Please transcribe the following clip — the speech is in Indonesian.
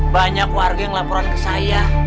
banyak warga yang laporan ke saya